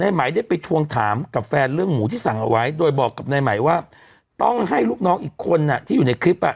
ไหมได้ไปทวงถามกับแฟนเรื่องหมูที่สั่งเอาไว้โดยบอกกับนายไหมว่าต้องให้ลูกน้องอีกคนที่อยู่ในคลิปอ่ะ